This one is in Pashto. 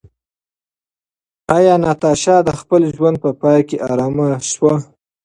ایا ناتاشا د خپل ژوند په پای کې ارامه شوه؟